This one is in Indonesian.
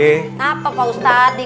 ngapain pak ustadz